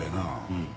うん。